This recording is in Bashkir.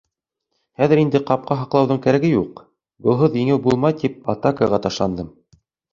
Хәҙер инде ҡапҡа һаҡлауҙың кәрәге юҡ, голһыҙ еңеү булмай тип атакаға ташландым.